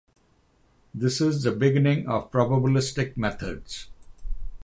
This is the beginning of probabilistic methods.